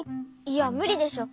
いやむりでしょ。